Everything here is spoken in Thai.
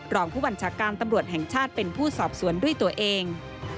รองผู้บัญชาการตำรวจแห่งชาติเป็นผู้สอบสวนด้วยตัวเอง